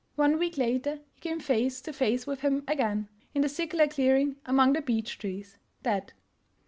One week later he came face to face with him again in the circular clearing among the beech trees — dead.